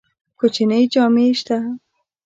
کوچنی جامی شته؟